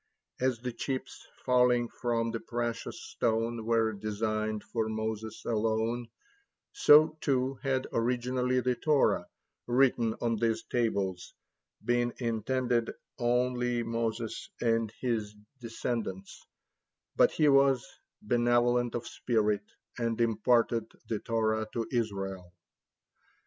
As the chips falling from the precious stone were designed for Moses alone, so too had originally the Torah, written on these tables, been intended only Moses and his descendants; but he was benevolent of spirit, and imparted the Torah to Israel.